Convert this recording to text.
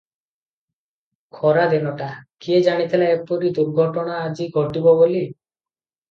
ଖରାଦିନଟା- କିଏ ଜାଣିଥିଲା ଏପରି ଦୁର୍ଘଟନା ଆଜି ଘଟିବ ବୋଲି ।